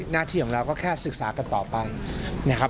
หน้าที่ของเราก็แค่ศึกษากันต่อไปนะครับ